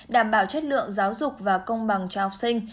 đảm bảo chất lượng giáo dục và công bằng cho học sinh